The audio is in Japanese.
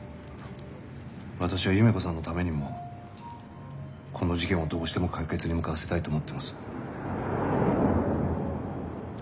私は夢子さんのためにもこの事件をどうしても解決に向かわせたいと思っています。